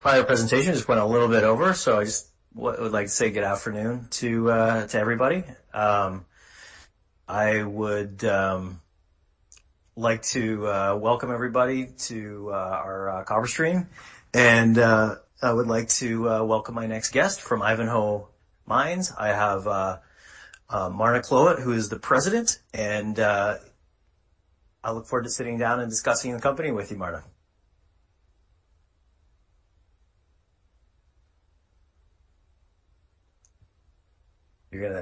Prior presentation just went a little bit over, so I just would like to say good afternoon to everybody. I would like to welcome everybody to our conference stream, and I would like to welcome my next guest from Ivanhoe Mines. I have Marna Cloete, who is the President, and I look forward to sitting down and discussing the company with you, Marna. You're going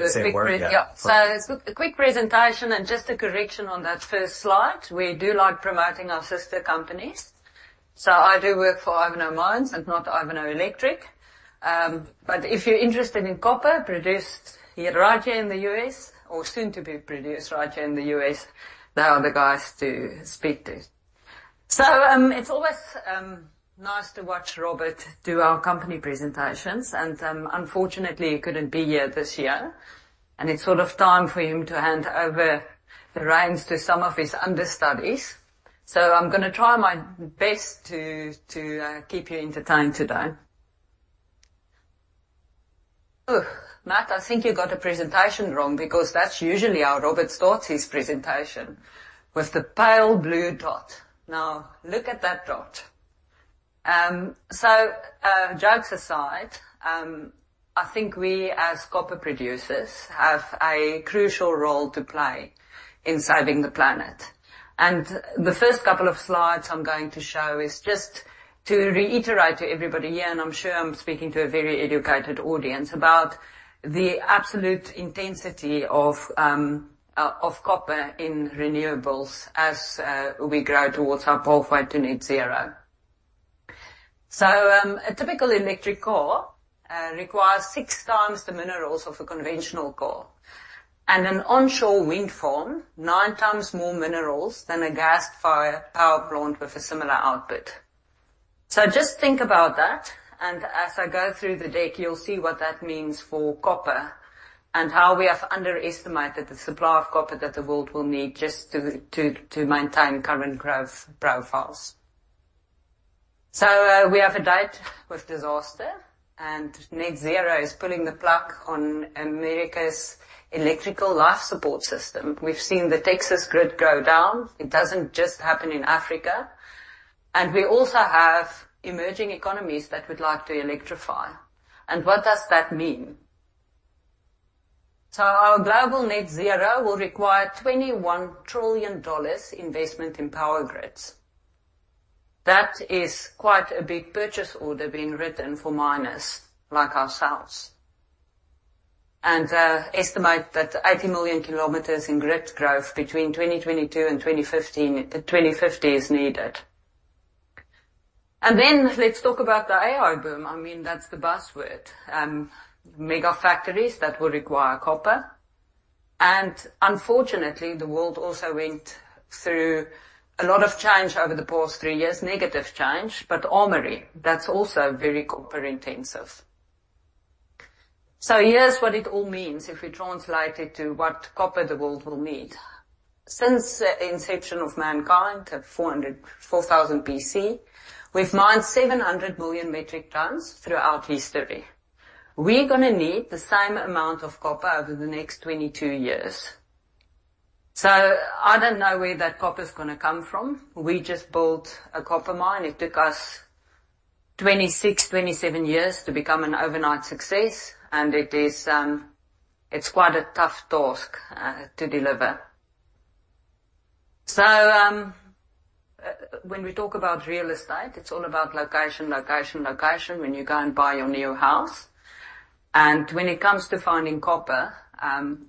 to say words. Yeah, just a quick presentation and just a correction on that first slide. We do like promoting our sister companies, so I do work for Ivanhoe Mines and not Ivanhoe Electric. But if you're interested in copper produced here right here in the U.S. or soon to be produced right here in the U.S., they are the guys to speak to. So it's always nice to watch Robert do our company presentations, and unfortunately, he couldn't be here this year, and it's sort of time for him to hand over the reins to some of his understudies. So I'm going to try my best to keep you entertained today. Matt, I think you got a presentation wrong because that's usually how Robert starts his presentation, with the pale blue dot. Now, look at that dot. Jokes aside, I think we as copper producers have a crucial role to play in saving the planet. The first couple of slides I'm going to show is just to reiterate to everybody again. I'm sure I'm speaking to a very educated audience, about the absolute intensity of copper in renewables as we grow towards our pathway to net zero. A typical electric car requires 6 times the minerals of a conventional car, and an onshore wind farm 9 times more minerals than a gas power plant with a similar output. Just think about that, and as I go through the deck, you'll see what that means for copper and how we have underestimated the supply of copper that the world will need just to maintain current growth profiles. So we have a date with disaster, and net zero is pulling the plug on America's electrical life support system. We've seen the Texas grid go down. It doesn't just happen in Africa. We also have emerging economies that would like to electrify. What does that mean? Our global net zero will require $21 trillion investment in power grids. That is quite a big purchase order being written for miners like ourselves, and estimate that 80 million kilometers in grid growth between 2022 and 2050 is needed. Then let's talk about the AI boom. I mean, that's the buzzword: megafactories that will require copper. Unfortunately, the world also went through a lot of change over the past three years, negative change, but armory, that's also very copper-intensive. Here's what it all means if we translate it to what copper the world will need. Since the inception of mankind, 4000 B.C., we've mined 700 million metric tons throughout history. We're going to need the same amount of copper over the next 22 years. So I don't know where that copper's going to come from. We just built a copper mine. It took us 26-27 years to become an overnight success, and it's quite a tough task to deliver. So when we talk about real estate, it's all about location, location, location when you go and buy your new house. When it comes to finding copper,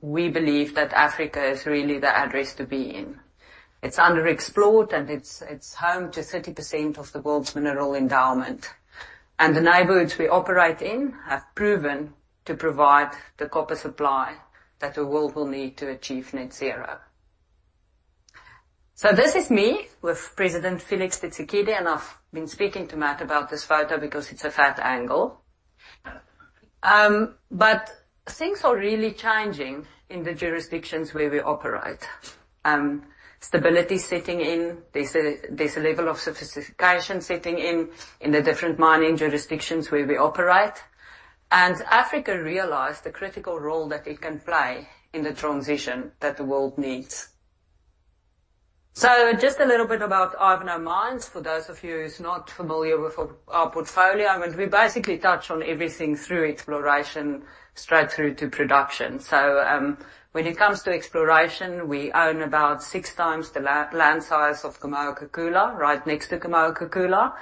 we believe that Africa is really the address to be in. It's underexplored, and it's home to 30% of the world's mineral endowment. The neighborhoods we operate in have proven to provide the copper supply that the world will need to achieve net zero. So this is me with President Félix Tshisekedi, and I've been speaking to Matt about this photo because it's a bad angle. But things are really changing in the jurisdictions where we operate. Stability's setting in. There's a level of sophistication setting in in the different mining jurisdictions where we operate. And Africa realized the critical role that it can play in the transition that the world needs. So just a little bit about Ivanhoe Mines. For those of you who's not familiar with our portfolio, we basically touch on everything through exploration straight through to production. So when it comes to exploration, we own about six times the land size of Kamoa-Kakula, right next to Kamoa-Kakula.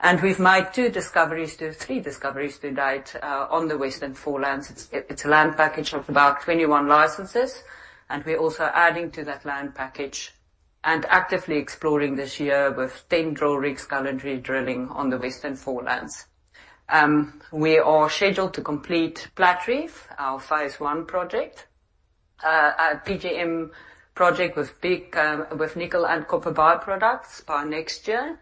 And we've made two discoveries to three discoveries to date on the Western Forelands. It's a land package of about 21 licenses, and we're also adding to that land package and actively exploring this year with 10 drill rigs, currently drilling on the Western Forelands. We are scheduled to complete Platreef, our Phase 1 project, a PGM project with nickel and copper byproducts by next year.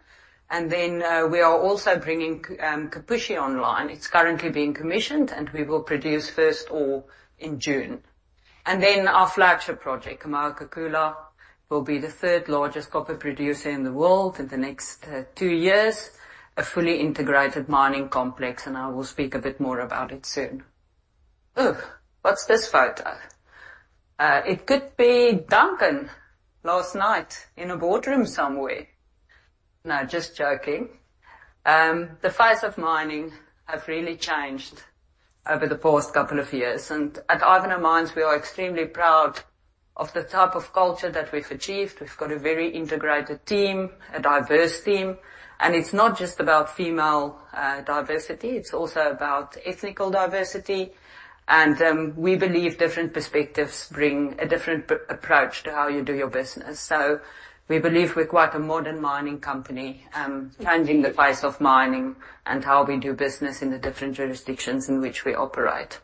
Then we are also bringing Kipushi online. It's currently being commissioned, and we will produce first ore in June. Then our flagship project, Kamoa-Kakula, will be the third largest copper producer in the world in the next two years, a fully integrated mining complex, and I will speak a bit more about it soon. What's this photo? It could be Duncan last night in a boardroom somewhere. No, just joking. The phase of mining have really changed over the past couple of years. At Ivanhoe Mines, we are extremely proud of the type of culture that we've achieved. We've got a very integrated team, a diverse team, and it's not just about female diversity. It's also about ethnic diversity. We believe different perspectives bring a different approach to how you do your business. We believe we're quite a modern mining company, changing the face of mining and how we do business in the different jurisdictions in which we operate.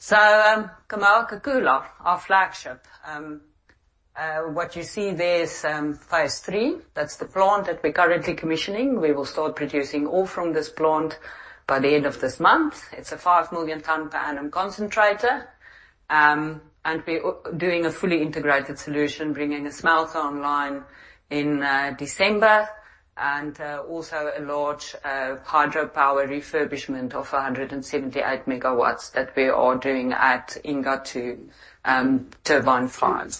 Kamoa-Kakula, our flagship, what you see there's Phase 3. That's the plant that we're currently commissioning. We will start producing all from this plant by the end of this month. It's a 5 million TPA concentrator, and we're doing a fully integrated solution, bringing a smelter online in December and also a large hydropower refurbishment of 178 MW that we are doing at Inga II Turbine Farm.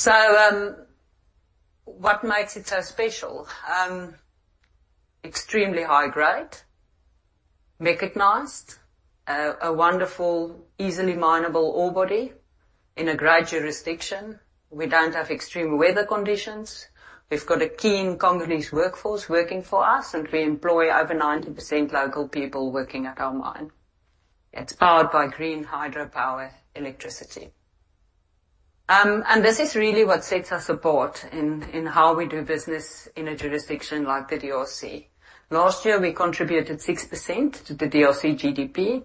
So what makes it so special? Extremely high grade, recognised, a wonderful, easily minable ore body in a great jurisdiction. We don't have extreme weather conditions. We've got a keen Congolese workforce working for us, and we employ over 90% local people working at our mine. It's powered by green hydropower electricity. This is really what sets our support in how we do business in a jurisdiction like the DRC. Last year, we contributed 6% to the DRC GDP.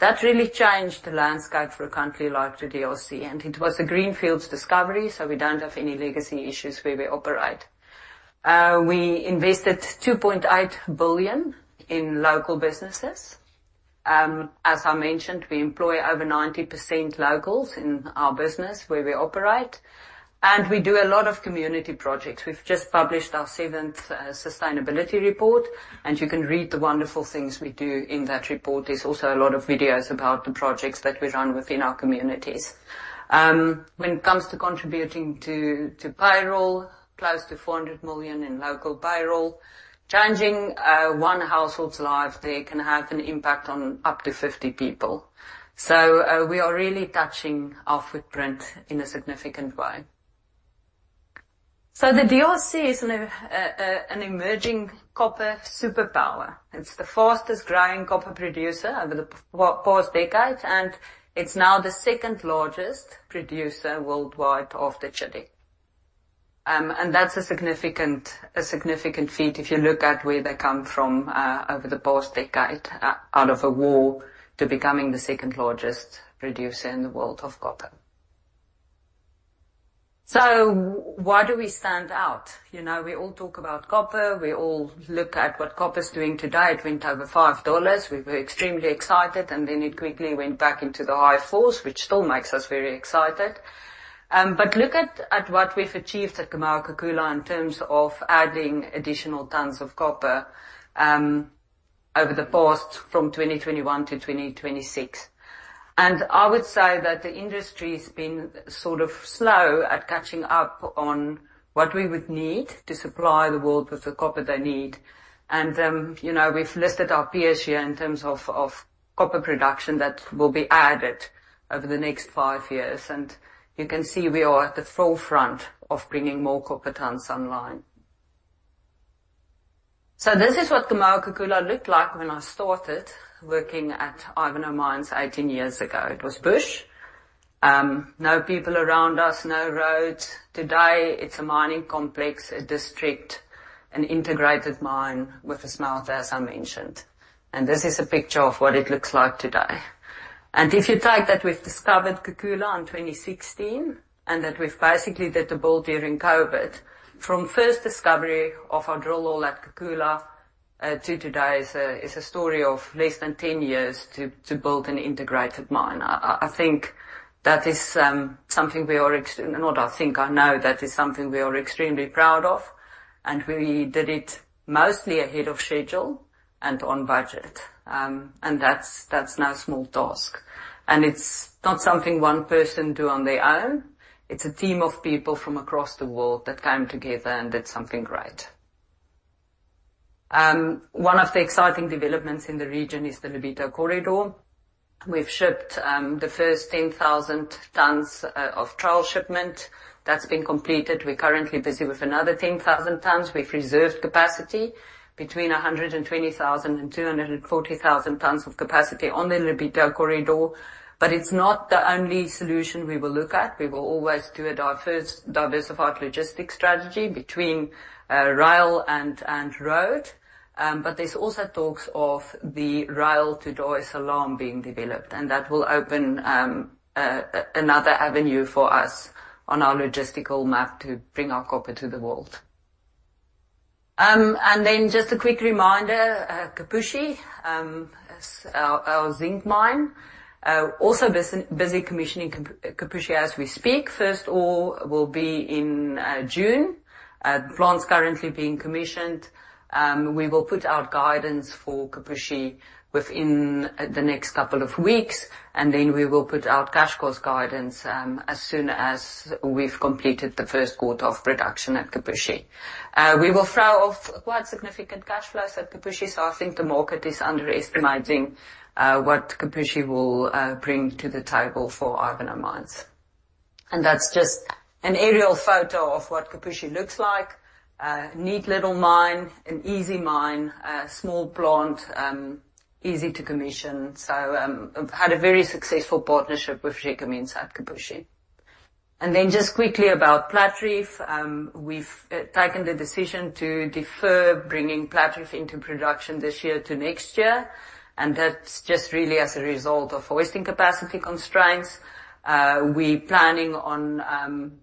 That really changed the landscape for a country like the DRC, and it was a greenfield discovery, so we don't have any legacy issues where we operate. We invested $2.8 billion in local businesses. As I mentioned, we employ over 90% locals in our business where we operate, and we do a lot of community projects. We've just published our seventh sustainability report, and you can read the wonderful things we do in that report. There's also a lot of videos about the projects that we run within our communities. When it comes to contributing to payroll, close to $400 million in local payroll, changing one household's life, they can have an impact on up to 50 people. So we are really touching our footprint in a significant way. So the DRC is an emerging copper superpower. It's the fastest growing copper producer over the past decade, and it's now the second largest producer worldwide of copper. And that's a significant feat if you look at where they come from over the past decade, out of a war to becoming the second largest producer in the world of copper. So why do we stand out? We all talk about copper. We all look at what copper's doing today. It went over $5. We were extremely excited, and then it quickly went back into the high $4s, which still makes us very excited. But look at what we've achieved at Kamoa-Kakula in terms of adding additional tons of copper over the past from 2021-2026. And I would say that the industry's been sort of slow at catching up on what we would need to supply the world with the copper they need. And we've listed our peers here in terms of copper production that will be added over the next five years. And you can see we are at the forefront of bringing more copper tons online. So this is what Kamoa-Kakula looked like when I started working at Ivanhoe Mines 18 years ago. It was bush. No people around us, no roads. Today, it's a mining complex, a district, an integrated mine with a smelter, as I mentioned. This is a picture of what it looks like today. If you take that we've discovered Kakula in 2016 and that we've basically built it during COVID, from first discovery of our drill hole at Kakula to today is a story of less than 10 years to build an integrated mine. I think that is something we are, I think, I know that is something we are extremely proud of, and we did it mostly ahead of schedule and on budget. That's no small task. It's not something one person do on their own. It's a team of people from across the world that came together and did something great. One of the exciting developments in the region is the Lobito Corridor. We've shipped the first 10,000 tons of trial shipment. That's been completed. We're currently busy with another 10,000 tons. We've reserved capacity between 120,000 and 240,000 tons of capacity on the Lobito Corridor. It's not the only solution we will look at. We will always do a first diversified logistics strategy between rail and road. There's also talks of the Dar es Salaam being developed, and that will open another avenue for us on our logistical map to bring our copper to the world. Then just a quick reminder, Kipushi, our zinc mine, also busy commissioning Kipushi as we speak. First ore will be in June. The plant's currently being commissioned. We will put out guidance for Kipushi within the next couple of weeks, and then we will put out cash cost guidance as soon as we've completed the first quarter of production at Kipushi. We will throw off quite significant cash flows at Kipushi, so I think the market is underestimating what Kipushi will bring to the table for Ivanhoe Mines. And that's just an aerial photo of what Kipushi looks like. Neat little mine, an easy mine, small plant, easy to commission. So I've had a very successful partnership with Gécamines at Kipushi. And then just quickly about Platreef, we've taken the decision to defer bringing Platreef into production this year to next year. And that's just really as a result of hoisting capacity constraints. We're planning on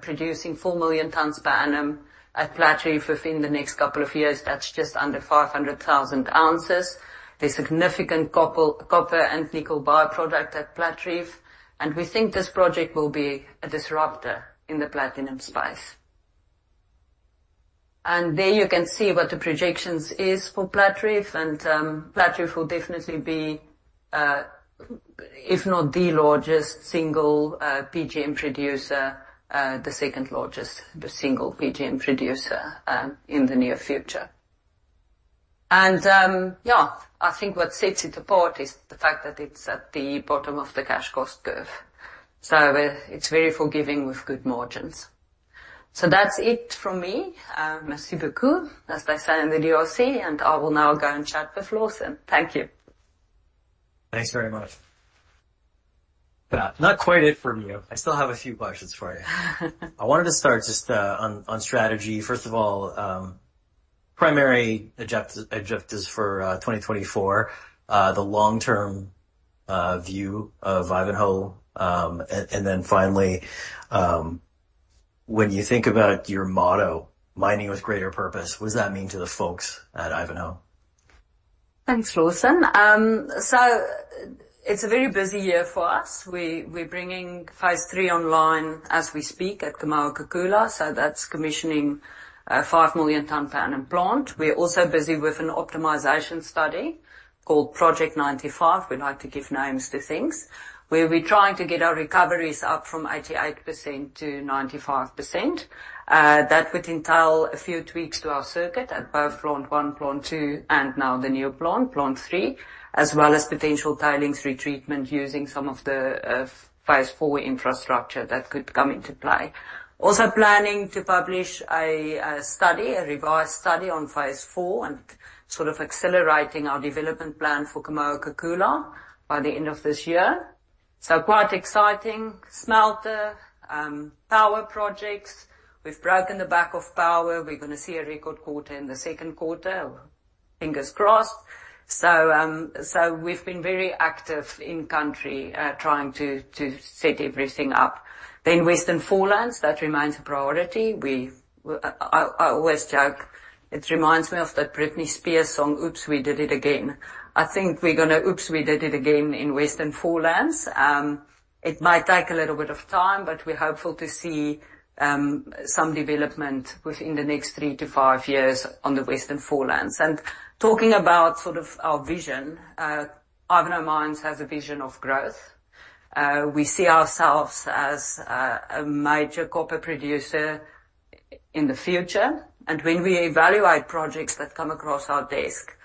producing 4 million TPA at Platreef within the next couple of years. That's just under 500,000 ounces. There's significant copper and nickel byproduct at Platreef, and we think this project will be a disruptor in the platinum space. And there you can see what the projections are for Platreef. Platreef will definitely be, if not the largest single PGM producer, the second largest single PGM producer in the near future. Yeah, I think what sets it apart is the fact that it's at the bottom of the cash cost curve. So it's very forgiving with good margins. So that's it from me. Merci beaucoup, as they say in the DRC. I will now go and chat with Lawson. Thank you. Thanks very much. Not quite over for you. I still have a few questions for you. I wanted to start just on strategy. First of all, primary objectives for 2024, the long-term view of Ivanhoe. Then finally, when you think about your motto, mining with greater purpose, what does that mean to the folks at Ivanhoe? Thanks, Lawson. So it's a very busy year for us. We're bringing Phase 3 online as we speak at Kamoa-Kakula. So that's commissioning a 5 million TPA plant. We're also busy with an optimization study called Project 95. We like to give names to things, where we're trying to get our recoveries up from 88%-95%. That would entail a few tweaks to our circuit at both Plant 1, Plant 2, and now the new plant, Plant 3, as well as potential tailings retreatment using some of the Phase 4 infrastructure that could come into play. Also planning to publish a study, a revised study on Phase 4, and sort of accelerating our development plan for Kamoa-Kakula by the end of this year. So quite exciting. Smelter, power projects. We've broken the back of power. We're going to see a record quarter in the second quarter. Fingers crossed. So we've been very active in country trying to set everything up. Then Western Forelands, that remains a priority. I always joke, it reminds me of that Britney Spears song, "Oops, we did it again." I think we're going to, "Oops, we did it again," in Western Forelands. It might take a little bit of time, but we're hopeful to see some development within the next 3-5 years on the Western Forelands. And talking about sort of our vision, Ivanhoe Mines has a vision of growth. We see ourselves as a major copper producer in the future. And when we evaluate projects that come across our desk,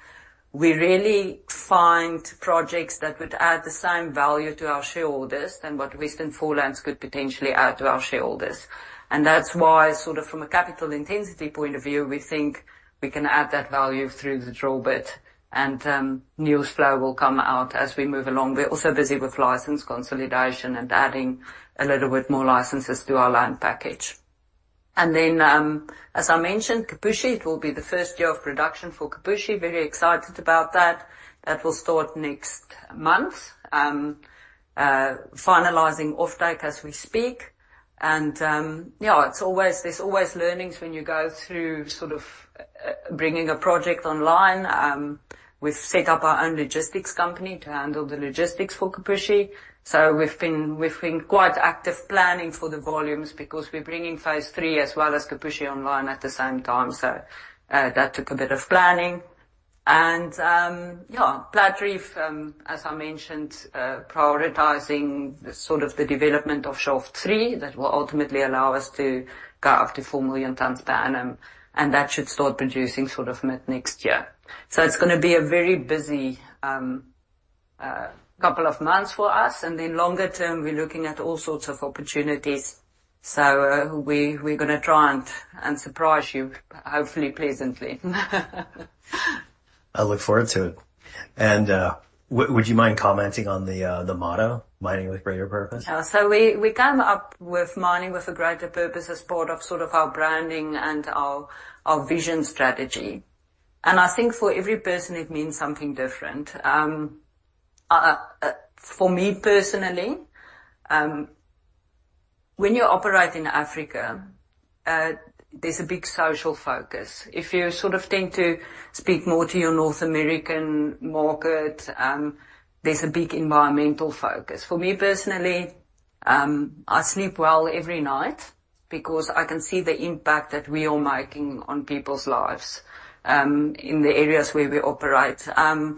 we really find projects that would add the same value to our shareholders than what Western Forelands could potentially add to our shareholders. That's why, sort of from a capital intensity point of view, we think we can add that value through the drawbit, and news flow will come out as we move along. We're also busy with license consolidation and adding a little bit more licenses to our land package. Then, as I mentioned, Kipushi, it will be the first year of production for Kipushi. Very excited about that. That will start next month, finalizing offtake as we speak. Yeah, there's always learnings when you go through sort of bringing a project online. We've set up our own logistics company to handle the logistics for Kipushi. So we've been quite active planning for the volumes because we're bringing Phase 3 as well as Kipushi online at the same time. So that took a bit of planning. Yeah, Platreef, as I mentioned, prioritizing sort of the development of Shaft 3 that will ultimately allow us to go up to 4 million TPA. That should start producing sort of mid-next year. It's going to be a very busy couple of months for us. Then longer term, we're looking at all sorts of opportunities. We're going to try and surprise you, hopefully pleasantly. I look forward to it. Would you mind commenting on the motto, mining with greater purpose? Yeah. So we came up with mining with a greater purpose as part of sort of our branding and our vision strategy. And I think for every person, it means something different. For me personally, when you operate in Africa, there's a big social focus. If you sort of tend to speak more to your North American market, there's a big environmental focus. For me personally, I sleep well every night because I can see the impact that we are making on people's lives in the areas where we operate and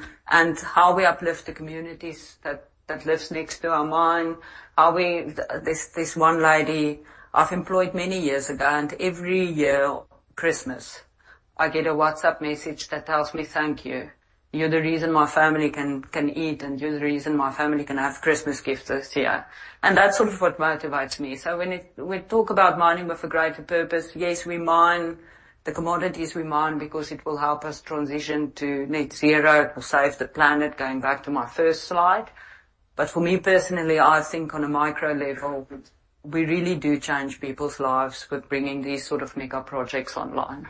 how we uplift the communities that live next to our mine. There's one lady I've employed many years ago, and every year, Christmas, I get a WhatsApp message that tells me, "Thank you. You're the reason my family can eat, and you're the reason my family can have Christmas gifts this year." And that's sort of what motivates me. So when we talk about mining with a greater purpose, yes, we mine. The commodities we mine because it will help us transition to net zero. It will save the planet, going back to my first slide. But for me personally, I think on a micro level, we really do change people's lives with bringing these sort of mega projects online.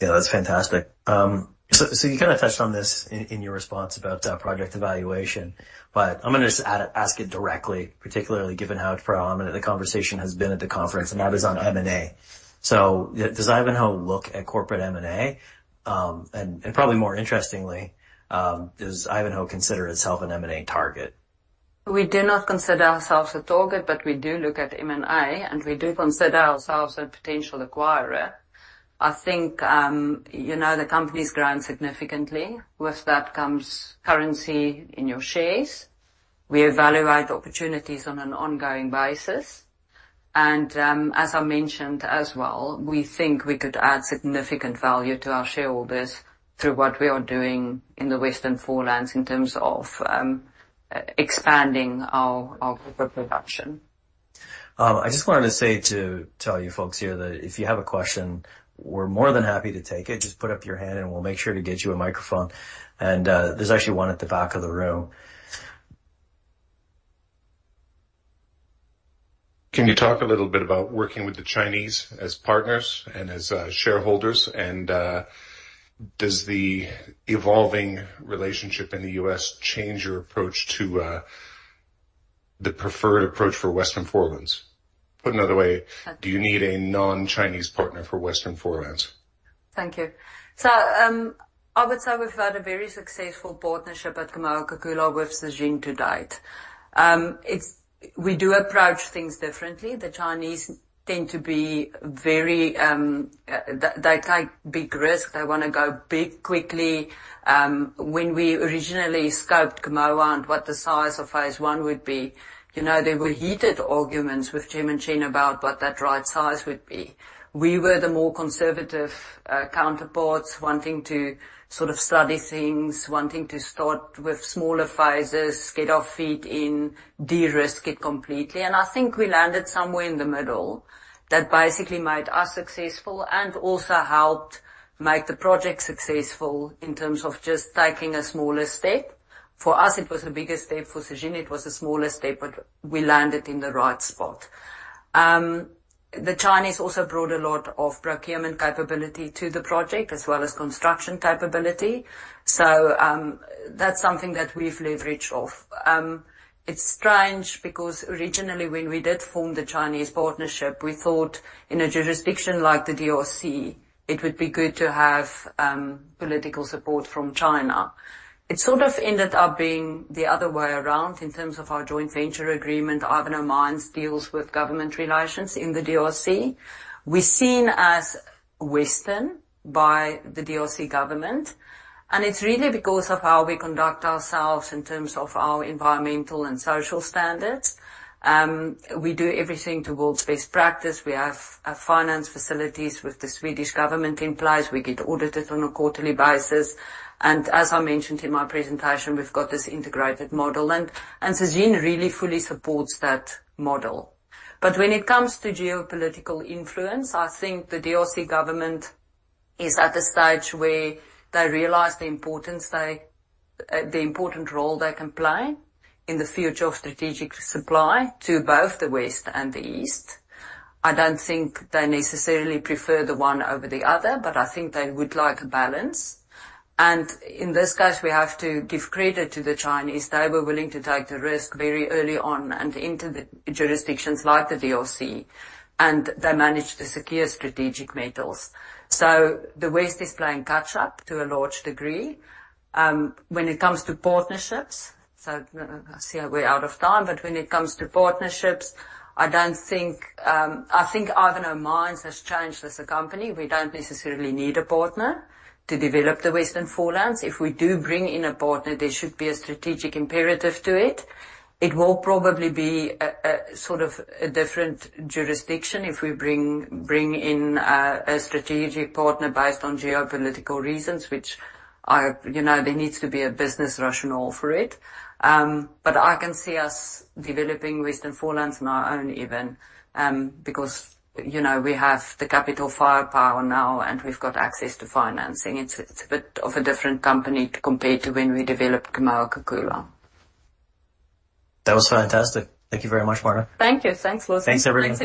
Yeah, that's fantastic. So you kind of touched on this in your response about project evaluation, but I'm going to just ask it directly, particularly given how predominant the conversation has been at the conference, and that is on M&A. So does Ivanhoe look at corporate M&A? And probably more interestingly, does Ivanhoe consider itself an M&A target? We do not consider ourselves a target, but we do look at M&A, and we do consider ourselves a potential acquirer. I think the companies grow significantly. With that comes currency in your shares. We evaluate opportunities on an ongoing basis. As I mentioned as well, we think we could add significant value to our shareholders through what we are doing in the Western Forelands in terms of expanding our copper production. I just wanted to say to tell you folks here that if you have a question, we're more than happy to take it. Just put up your hand, and we'll make sure to get you a microphone. There's actually one at the back of the room. Can you talk a little bit about working with the Chinese as partners and as shareholders? And does the evolving relationship in the U.S. change your approach to the preferred approach for Western Foreland? Put another way, do you need a non-Chinese partner for Western Foreland? Thank you. So I would say we've had a very successful partnership at Kamoa-Kakula with the Zijin. We do approach things differently. The Chinese tend to be very they take big risks. They want to go big quickly. When we originally scoped Kamoa and what the size of Phase 1 would be, there were heated arguments with Chen and Jing about what that right size would be. We were the more conservative counterparts, wanting to sort of study things, wanting to start with smaller phases, get our feet in, de-risk it completely. And I think we landed somewhere in the middle that basically made us successful and also helped make the project successful in terms of just taking a smaller step. For us, it was a bigger step. For Zijin, it was a smaller step, but we landed in the right spot. The Chinese also brought a lot of procurement capability to the project as well as construction capability. So that's something that we've leveraged off. It's strange because originally, when we did form the Chinese partnership, we thought in a jurisdiction like the DRC, it would be good to have political support from China. It sort of ended up being the other way around in terms of our joint venture agreement. Ivanhoe Mines deals with government relations in the DRC. We're seen as Western by the DRC government. And it's really because of how we conduct ourselves in terms of our environmental and social standards. We do everything towards best practice. We have finance facilities with the Swedish government in place. We get audited on a quarterly basis. And as I mentioned in my presentation, we've got this integrated model. And Zijin really fully supports that model. But when it comes to geopolitical influence, I think the DRC government is at a stage where they realize the important role they can play in the future of strategic supply to both the West and the East. I don't think they necessarily prefer the one over the other, but I think they would like a balance. And in this case, we have to give credit to the Chinese. They were willing to take the risk very early on and into jurisdictions like the DRC, and they managed to secure strategic metals. So the West is playing catch-up to a large degree. When it comes to partnerships, so I see we're out of time, but when it comes to partnerships, I think Ivanhoe Mines has changed as a company. We don't necessarily need a partner to develop the Western Forelands. If we do bring in a partner, there should be a strategic imperative to it. It will probably be sort of a different jurisdiction if we bring in a strategic partner based on geopolitical reasons, which there needs to be a business rationale for it. But I can see us developing Western Forelands on our own even because we have the capital firepower now, and we've got access to financing. It's a bit of a different company compared to when we developed Kamoa-Kakula. That was fantastic. Thank you very much, Marna. Thank you. Thanks, Lawson. Thanks, everyone.